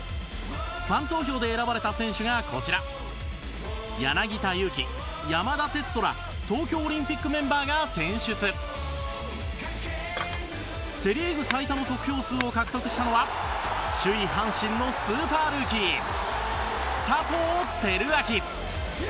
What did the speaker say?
ファン投票で選ばれた選手がこちら柳田悠岐、山田哲人ら東京オリンピックメンバーが選出セ・リーグ最多の得票数を獲得したのは首位、阪神のスーパールーキー佐藤輝明